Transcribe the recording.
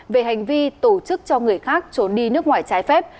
về hành vi tổ chức cho người khác trốn đi nước ngoài trái phép